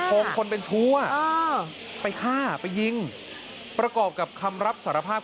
คงคนเป็นชู้อ่ะอ่าไปฆ่าไปยิงประกอบกับคำรับสารภาพ